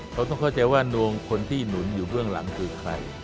เขาต้องเข้าใจว่าดวงคนที่หนุนอยู่เบื้องหลังคือใคร